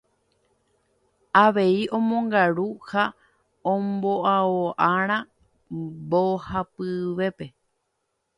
Avei omongaru ha omboao'arã mbohapyvépe.